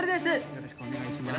よろしくお願いします。